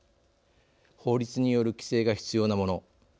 法律による規制が必要なもの